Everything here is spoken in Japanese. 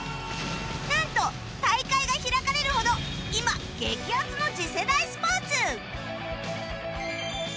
なんと大会が開かれるほど今激アツの次世代スポーツ